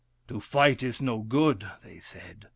" To fight is no good," they said.